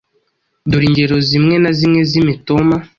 Dore ingero zimwe na zimwe z’imitoma.